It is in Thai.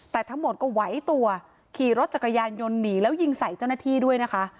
แต่ทั้งหมดก็ไหวตัวขี่รถจักรยานยนต์หนีแล้วยิงใส่เจ้าหน้าที่ด้วยนะคะ